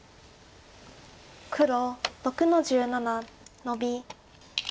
黒６の十七ノビ。